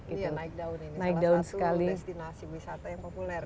iya naik down ini salah satu destinasi wisata yang populer ya